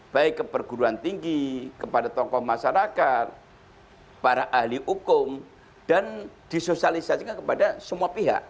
baik ke perguruan tinggi kepada tokoh masyarakat para ahli hukum dan disosialisasikan kepada semua pihak